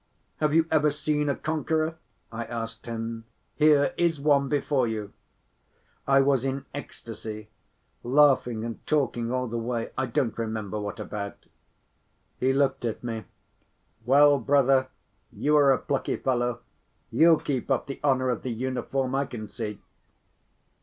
"Have you ever seen a conqueror?" I asked him. "Here is one before you." I was in ecstasy, laughing and talking all the way, I don't remember what about. He looked at me. "Well, brother, you are a plucky fellow, you'll keep up the honor of the uniform, I can see."